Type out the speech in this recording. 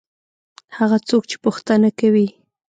هغه څوک چې پوښتنه کوي.